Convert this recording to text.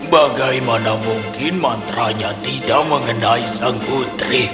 bagaimana mungkin mantra itu tidak mengenai sang putri